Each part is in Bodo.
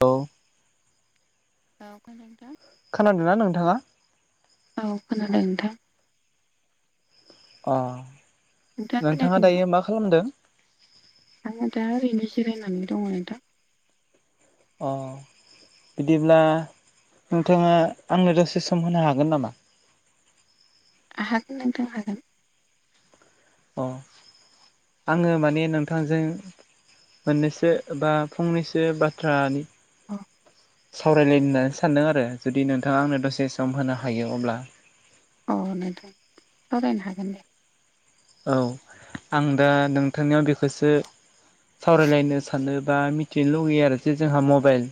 औ औ गोजोनथों खोनादों ना नोंथाङा? औ खोनादों नोंथां अ खोनायाखै नोंथाङा नामा? दायो मा खालामदों? आङो दा ओरैनो जिरायनानै दङ नोंथां। अ बिदिब्ला नोंथाङा आंनो दसे सम होनो हागोन नामा? हागोन नोंथां हागोन। अ आङो माने नोंथांजों मोननैसो बा फंनैसो बाथ्रानि औ सावरायलायनो होननानै सानदों आरो जुदि नोंथाङा आंनो दसे सम होनो हायो अब्ला। अ नोंथां सावरायनो हागोन दे। औ आं दा नोंथांनियाव बेखौसो सावरायलायनो सानोबा मिथिनो लुगैयो आरो जे जोंहा मबाइल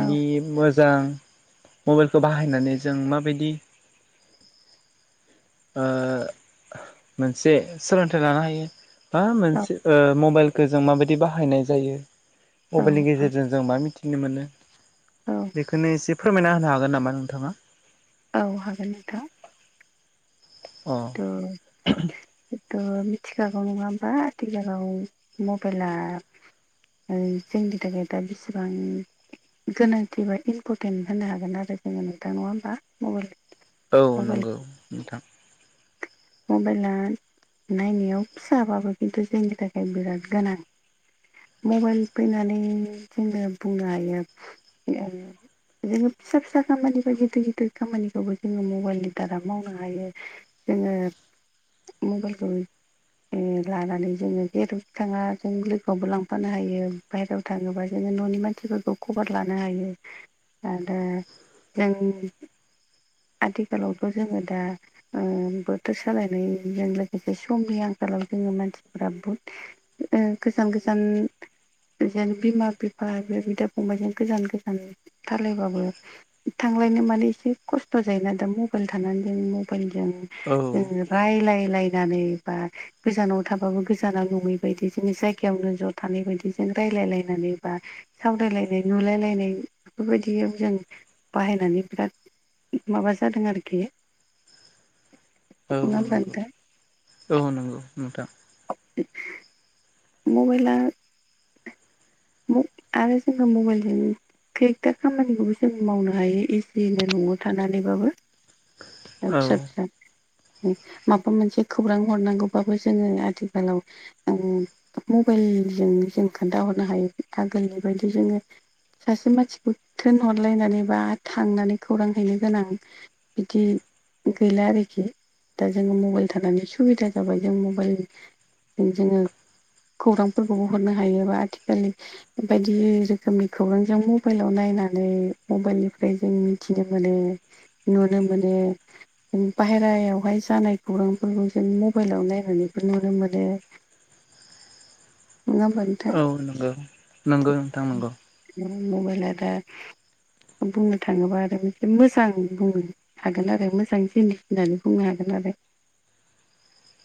औ मोजां मबाइलखौ बाहायनानै जों माबायदि ओ मोनसे सोलोंथाइ लानो हायो बा औ मोनसे ओ मबाइल खो जों माबायदि बाहायनाय जायो औ मबाइलनि औ गेजेरजों जों मा मिथिनो मोनो औ बेखोनो एसे फोरमायना होनो हागोन नामा नोंथाङा। औ हागोन नोंथां। अ [unintelligible] जिहेथु मिथिखागौ नङा होमबा आथिखालाव मबाइला ओ जोंनि थाखाय दा बेसेबां गोनांथि बा इम्परटेन्ट होननो हागोन आरो जोङो नोंथां नङा होमबा मबाइल औ मबाइल नंगौ नोंथां मबाइला नायनायाव फिसाबाबो खिन्थु जोंनि थाखाय बिराद गोनां। मबाइल फैनानै जोङो बुंनो हायो [unintelligible] जोङो फिसा फिसा खामानि बा गिदिर गिदिर खामानिखौबो जोङो मबाइलनि दारा मावनो हायो‌ जोंङो मबयलखौ ओ लानानै जोङो जेर'ख थाङाजों लोगोआवबो लांफानो हायो बायेरायाव थाङोबा जोङो न'नि मानसिफोरखौ खबर लानो हायो। आरो जों आथिखालावथ' जोङो दा ओ बोथोर सालायनायजों लोगोसे समनि आंखालाव जोङो मानसिफोरा बहुद ओ गोजान गोजान जेन बिमा बिफा आरो बिदा फंबबायजों गोजान गोजान थालायबाबो थांलायनो माने एसे खस्थ' जायोना दा मबाइल थानानै जों मबाइलजों औ जोंङो रायलाय लायनानै बा गोजानाव थाबाबो गोजाना नङै बायदि जोंनि जायगायावनो ज' थानाय बायदि जेन रायज्लायलायनानै बा सावरायलायनाय नुलायलायनाय बेफोरबायदियाव जों बाहायनानै बिराद माबा जादों आरोखि औ नङा होमबा नंगौ नोंथां औ नंगौ नोंथां। [unintelligible] मबाइला आरो जोंहा मबाइलजों खैथा खामानिखौबो जों मावनो हायो एजिलि न'आव थानानैबाबो औ फिसा फिसा माबा मोनसे खौरां हरनांगौबाबो जोङो आथिखालाव उम मबाइलजों जों खोन्थाहरनो हायो आगोलनि बायदि जोङो सासे मानसिखौ थोनहरलायनानै बा थांनानै खौरां हैनो गोनां बिदि गैला आरोखि दा जोङो मबाइल थानानै सुबिदा जाबाय जों मबाइल जोङो खौरांफोरखौबो हरनो हायो बा आथिखालनि बायदि रोखोमनि खौरांजों मबाइलाव नायनानै मबाइल निफ्राय जों थिनो मोनो नुनो मोनो। बायेरायावहाय जानाय खौरांफोरखौ जों मबाइलाव नायहनायखौ नुनो मोनो नामबारि औ नंगौ नंगौ नोंथां नंगौ। मबाइला दा बुंनो थाङोबा आरो मोनसे मोजां बुङो हागोन आरो मोजां जिनिस होननानै बुंनो हागोन आरो।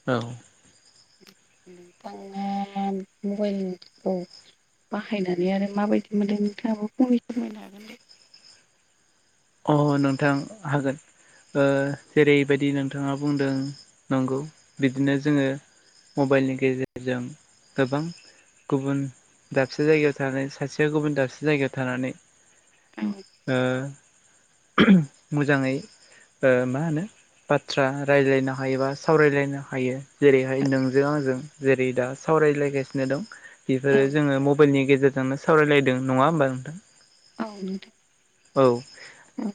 औ। नोंथाङा मबाइलखौ बाहायनानै आरो माबायदि मोनदों नोंथाङाबो फंनैसो फोरमायनो हागोन ना? अ नोंथां हागोन। ओ जेरैबायदि नोंथाङा बुंदों नंगौ बिदिनो जोङो मबाइलनि गेजेरजों गोबां गुबुन दाबसे जायगायाव थानानै सासेया गुबुन दाबसे जायगायाव थानानै ओ मोजाङै ओ मा होनो बाथ्रा रायज्लायनो हायोबा सावरायलायनो हायो जेरैहाय नोंजों आंजों जेरै दा सावरायलायगासिनो दं। बेफोरो जोङो मबाइलनि गेजेरजोंनो सावरायलायदों नङा होमबा नोंथां? औ नोंथां‌। औ। औ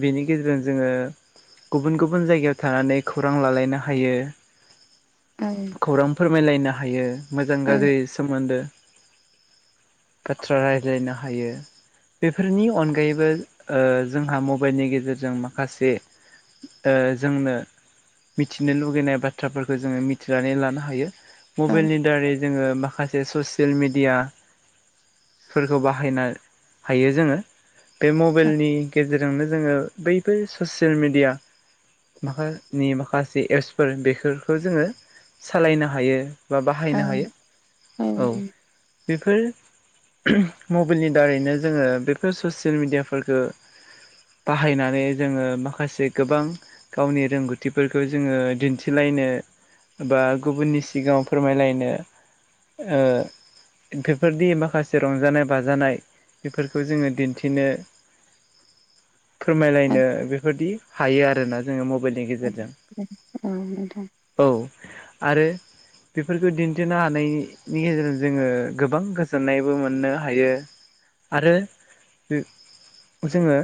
बेनि गेजेरजों जोङो गुबुन गुबुन जायगायाव थानानै खौरां लालायनो हायो। औ खौरां फोरमायलायनो हायो मोजां गाज्रि सोमोन्दो बाथ्रा रायज्लायनो हायो बेफोरनि अनगायैबो ओ जोंहा मबाइलनि गेजेरजों माखासे ओ जोंनो मिथिनो लुगैनाय बाथ्राफोरखो जोङो मिथिनानै लानो हायो औ मबाइलनि दारै जोङो माखासे ससियेल मेडियाफोरखौ बाहायनो हायो जोङो बे मबाइलनि गेजेरजोंनो जोङो बैफोर ससियेल मिडिया माखानि माखासे एप्सफोर बेफोरखो जोङो सालायनो हायो बा बाहायनो हायो औ बेफोर [unintelligible] मबिइलनि दारैनो जोङो बेफोर ससियेल मिडिया फोरखो बाहायनानै जोङो माखासे गोबां गावनि रोंगौथिफोरखौ जोङो दिन्थिलायनो बा गुबुननि सिगाङाव फोरमायलायनो ओ बेफोरदि माखासे रंजानाय बाजानाय बेफोरखौ जोङो दिन्थिनो फोरमायलायनो बेफोरदि हायो आरोना जोङो मबेइल [unintelligible] औ नोंथां औ आरो बेफोरखौ दिन्थिनो हानायनि गेजेरजों जोङो गोबां गोजोननायबो मोननो हायो आरो जोङो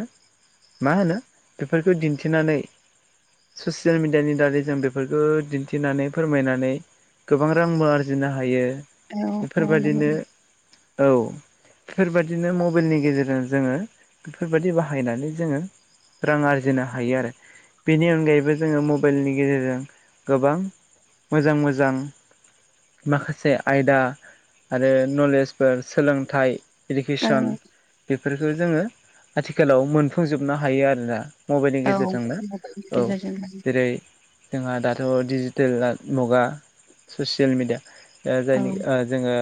मा होनो बेफोरखौ दिन्थिनानै ससियेल मिडियानि दारै जों बेफोरखौ दिन्थिनानै फोरमायनानै गोबां रांबो आरजिनो हायो औ औ बेफोरबादिनो नंगौ औ बेफोरबादिनो मबेइलनि गेजेरजों जोङो बेफोरबादि बाहायनानै जोङो रां आरजिनो हायो आरो बेनि अनगायैबो जोङो मबेइलनि गेजेरजों गोबां मोजां मोजां माखासे आयदा आरो नलेजफोर सोलोंथाइ औ इडुकेसन बेफोरखौ जोङो आथिखालाव मोनफुंजोबनो हायो आरोना मबेइलनि औ गेजेरजोंनो मबाइलनि औ गेजेरजों जेरै जोंहा दाथ' डिजिटेेल [unintelligible] मुगा ससियेल मेडिया ओ जायनि ओ जोङो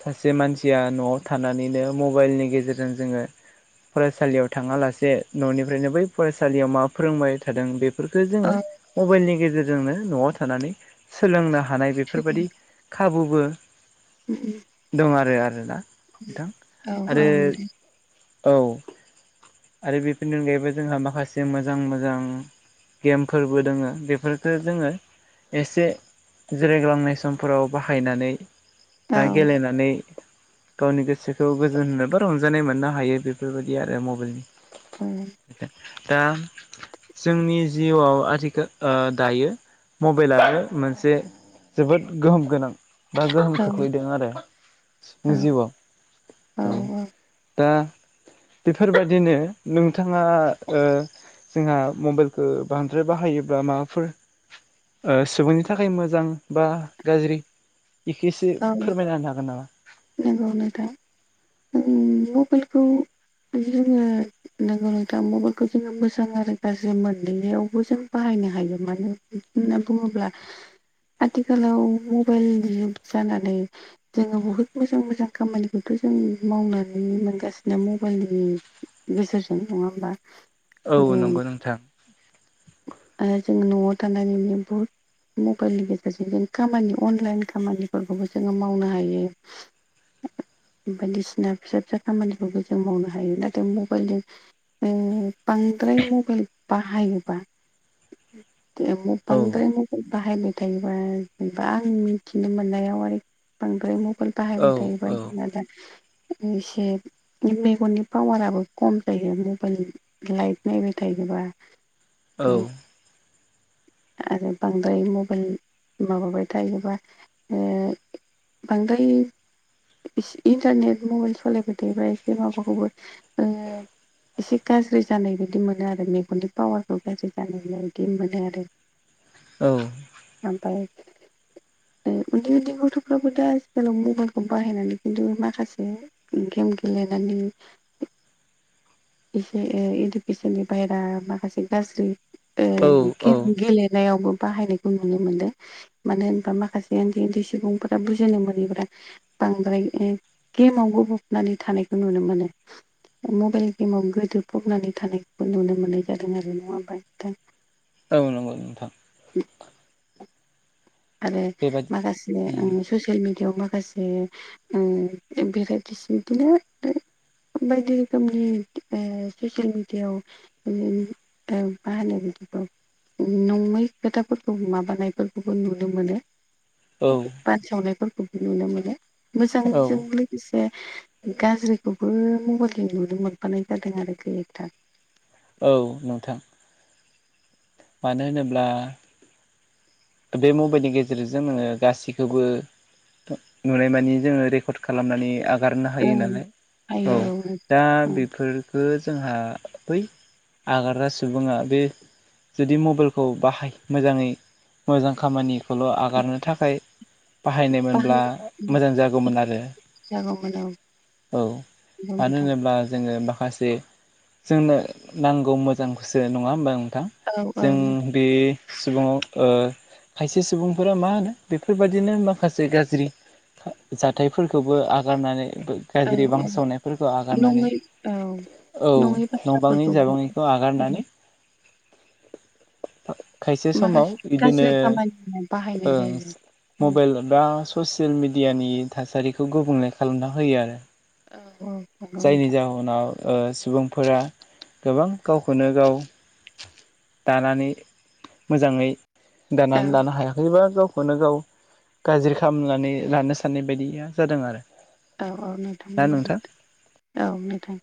सासे मानसिया न'आव थानानैनो मबाइलनि गेजेरजों जोङो फरायसालियाव थाङालासे न'निफ्रायनो बै फरायसालियाव मा फोरोंबाय थादों बेफोरफोरखो औ जोङो मबाइलनि गेजेरजोंनो न'आव थानानै सोलोंनो हानाय बे फोरबादि खाबुबो औ दं आरो आरोना नोंथां औ आरो नोंथां औ आरो बेफोरनि अनगायैबो जोंहा माखासे मोजां मोजां गेमफोरबो दोङो बेफोरफोरखो जोङो एसे जिरायग्लांनाय समफोराव बाहायनानै औ गेलेनानै गावनि गोसोखौ गोजोन होनो बा रंजानाय मोननो हायो बे फोरबायदि आरो मबेइलनि औ [unintelligible] दा जोंनि जिउआव आथिखाल ओ दायो मबेलनो मोनसे जोबोद गोहोम गोनां बा गोहोम खोख्लैदों आरो औ जिउआव औ दा बेफोरबादिनो नोंथाङा ओ जोंहा मबेलखो बांद्राय बाहायोब्ला माबाफोर ओ सुबुंनि थाखाय मोजां बा गाज्रि इखोसो फोरमायना होनो हागोन नामा नोंगौ नोथां उम मबेलखौ जोङो नोंगौ नोंथां मबेलखौ जोङो मोजां आरो गाज्रि मोननैयावबो जों बाहायनो हायो मानो होनना बुंङोब्ला आथिखालाव मबेल जुग जानानै जोङो बुहुद मोजां मोजां खामानिखौथ' जों मावनानै मोनगासिनो मबाइलनि बोसोरजों नङा होमबा औ नंगौ नोंथां। आरो जों न'आव थानानैनो बुहुद मबाइलनि गेजेरजों जों खामानि अनलाइन खामानिफोरखौबो जोङो मावनो हायो। बायदिसिना फिसा फिसा खामानिफोरखौ जों मावनो हायो। नाथाय मबाइलजों ओ बांद्राय मबाइल बाहायोबा [unintelligible] औ बांद्राय म बाहायबाय थायोबा जेनेबा आं मिथिनो मोननायाव आरो बांद्राय मबाइल औ बाहायबाय थायोबा औ जोंना दा एसे मेगननि पावाराबो खम जायो मबाइल लाइट नायबाय थायोबा। औ। आरो बांद्राय मबाइल माबाबाय थायोबा ओ बांद्राय इस इन्टारनेट मबाइल सलायबाय थायोबा एसे माबाखौबो ओ इसे गाज्रि जानाय बायदि मोनो आरो मेगननि पावारखौ गाज्रि जानाय बायदि मोनो आरो औ। ओमफाय उन्दै उन्दै गथ'फ्राबो दा आथिखालाव मबाइलखौ बाहायनानै खिन्थु माखासे गेम गेलेनानै एसे ओ इडुकेसननि बायहेरा माखासे गाज्रि ओ औ औ गेम औ गेले नायावबो बाहायनायखौ नुनो मोनदो। मानो होनबा माखासे उन्दै उन्दै सुबुंफोरा बुजिनो मोनैफोरा बांद्राय ओ गेमाव गबबनानै थानायखौ नुनो मोनो। मबेल गेमाव गोदोफबनानै थानायखौबो नुनो मोननाय जादों आरो नङा होनबा नोंथां। औ नंगौ नोंथां। आरो बेबादि माखासे ओ उम ससियेल मिडियाव माखास [unintelligible] ओ [unintelligible] बिदिनो ओ बायदि रोखोमनि ओ ससेल मिडियाव [unintelligible] नङै खोथाफोरखौ माबानायफोरखौबो नुनो मोनो। औ। बानसावनायफोरखौबो नुनो मोनो। औ मोजांजों लो गोसे गाज्रिखौबो मबेलजों नुनो मोनफानाय जादों आरो केरेकथार। औ नोंथां। मानो होनोब्ला बे मबाइलनि गेजेरजों ङो गासिखोबो [unintelligible] नुनाय मानि जोङो रेकर्ड खालामनानै आ गारनो हायो ओं नालाय औ आयौ दा ओं बे फोरखो जोंहा बै आगारग्रा सुबुङा बे जुदि मबाइलखौ बाहाय मोजाङै मोजां खामानि खौल' आगारनो थाखाय बाहायनायमोनब्ला बाहाय मोजां जागौमोन आरो जागौमोन औ। औ नंगौ मानो नोंथां होनोब्ला जोङो माखासे जोंनो नांगौ मोजांखौसो नङा होमबा नोंथां। औ औ जों बे सुबुङाव ओ खायसे सुबुंफोरा मा होनो बेफोरबायदिनो माखासे गाज्रि जाथायफोरखौबो आगारनानै नोंथां गाज्रि औ औ बांसावनायफोरखौ आगारनानै नङै औ नङै औ नबाङै बाथ्राफोरखौ जाबाङैखौ आगारनानै खायसे समाव माखासे बिदिनो गाज्रि खामानियाव ओ बाहायनाय जायो औ मबाइल दा ससियेल मेडियानि थासारिखौ गुबुंले खालामना होयो आरो। ओ औ नंगौ नोंथां। फनाव ओ सुबुंफोरा गोबां गावखौनो गाव दानानै मोजाङै औ दानानै लानो हाया। [unintelligible] गावखौनो गाव गाज्रि खालामनानै लानो साननाय बायदिया जादों आरो। औ औ नोंथां गौ औ नोथां।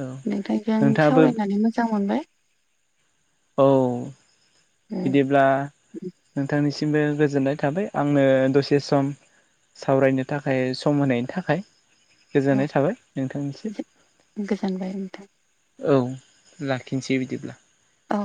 औ नोंथांजों नोंथाङाबो सावरायनानै मोजां मोनबाय। औ। ओ बिदिब्ला नोंथांनिसिमबो गोजोननाय थाबाय आंनो दसे सम। सावरायनो थाखाय सम होनायनि थाखाय। औ गोजोननाय थाबाय नोंथांनिसिम। गोजोनबाय नोंथां औ लाखिसै बिदिब्ला। औ।